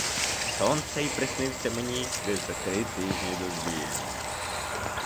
Сон цей приснився мені десь за три тижні до звільнення.